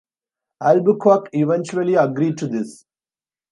Albuquerque eventually agreed to this.